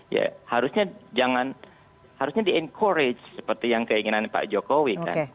ya harusnya jangan harusnya di encourage seperti yang keinginan pak jokowi kan